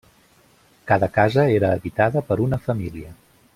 Cada casa era habitada per una família.